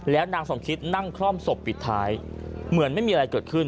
แล้วนางสมคิดนั่งคล่อมศพปิดท้ายเหมือนไม่มีอะไรเกิดขึ้น